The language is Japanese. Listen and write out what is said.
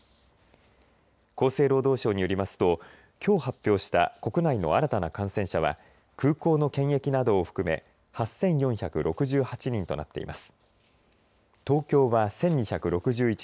厚生労働省によりますときょう発表した国内の新たな感染者は空港の検疫などを含め８４６８人となっています。